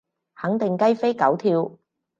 肯定雞飛狗跳